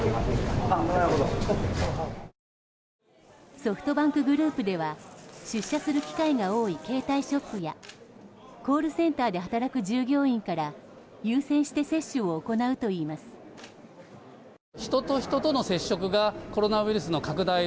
ソフトバンクグループでは出社する機会が多い携帯ショップやコールセンターで働く従業員から優先して接種を行うといいます。